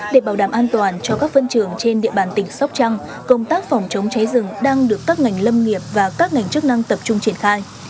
để bảo đảm an toàn cho các phân trường trên địa bàn tỉnh sóc trăng công tác phòng chống cháy rừng đang được các ngành lâm nghiệp và các ngành chức năng tập trung triển khai